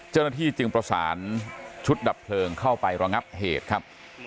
เจ้าหน้าที่จึงประสานชุดดับเพลิงเข้าไประงับเหตุครับ